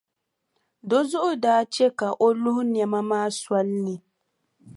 Di zuɣu daa che ka o luhi nɛma maa soli ni.